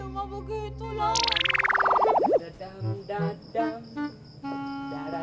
wuih rumah begitu lah